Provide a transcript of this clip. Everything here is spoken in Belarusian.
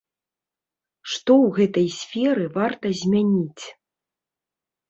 Што ў гэтай сферы варта змяніць?